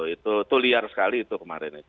itu liar sekali itu kemarin